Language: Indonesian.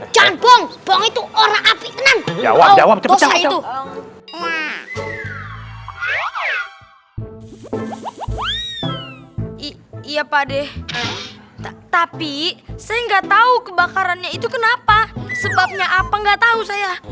ya padeh tapi saya enggak tahu kebakarannya itu kenapa sebabnya apa nggak tahu saya